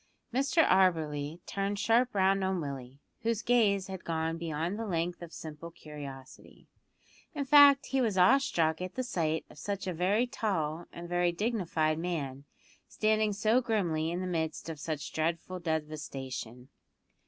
Mr Auberly turned sharp round on Willie, whose gaze had gone beyond the length of simple curiosity. In fact, he was awe struck at the sight of such a very tall and very dignified man standing so grimly in the midst of such dreadful devastation.